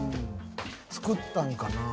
作ったんかな？